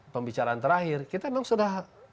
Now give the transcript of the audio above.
pembicaraan terakhir kita memang sudah